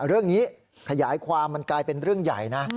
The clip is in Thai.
เรื่องนี้ขยายความมันกลายเป็นเรื่องใหญ่